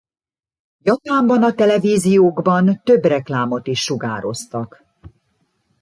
Japánban a televíziókban több reklámot is sugároztak.